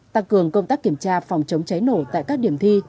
tăng cường công tác kiểm tra phòng chống cháy nổ tại các điểm thi